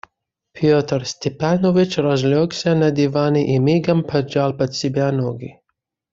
Петр Степанович разлегся на диване и мигом поджал под себя ноги.